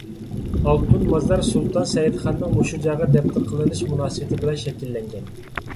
ئالتۇن مازار سۇلتان سەئىدخاننىڭ مۇشۇ جايغا دەپنە قىلىنىش مۇناسىۋىتى بىلەن شەكىللەنگەن.